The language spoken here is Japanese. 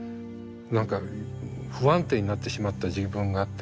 何か不安定になってしまった自分があって。